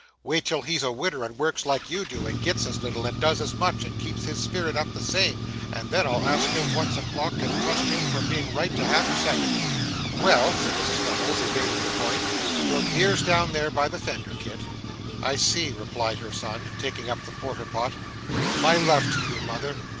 'Wait till he's a widder and works like you do, and gets as little, and does as much, and keeps his spirit up the same, and then I'll ask him what's o'clock and trust him for being right to half a second.' 'Well,' said Mrs Nubbles, evading the point, 'your beer's down there by the fender, Kit.' 'I see,' replied her son, taking up the porter pot, 'my love to you, mother.